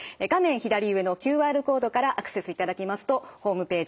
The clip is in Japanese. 左上のＱＲコードからアクセスいただきますとホームページ